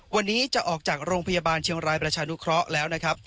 วันนี้จะออกจากโรงพยาบาลเชียงรายประชานุเคราะห์แล้วนะครับ